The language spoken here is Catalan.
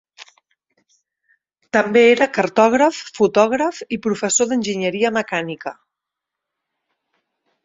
També era cartògraf, fotògraf i professor d'enginyeria mecànica.